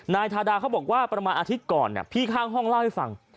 นายทาดาเขาบอกว่าประมาณอาทิตย์ก่อนพี่ข้างห้องเล่าให้ฟัง